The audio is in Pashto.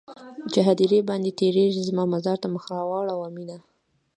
چې هديره باندې تيرېږې زما مزار ته مخ راواړوه مينه